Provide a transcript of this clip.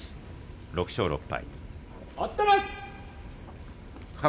６勝６敗。